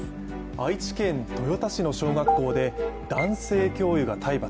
愛知県豊田市の小学校で男性教諭が体罰。